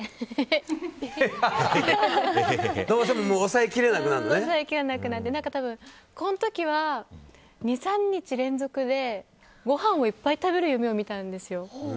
抑えきれなくなって、この時は２、３日連続でごはんをいっぱい食べる夢を見たんですよ。